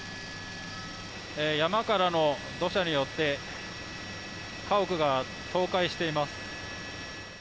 「山からの土砂によって家屋が倒壊しています」